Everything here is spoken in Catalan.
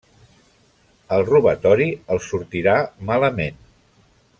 El robatori els sortirà malament.